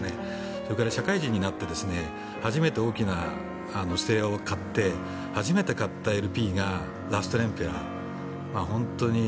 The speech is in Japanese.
それから社会人になって初めて大きなステレオを買って初めて買ったＬＰが「ラストエンペラー」。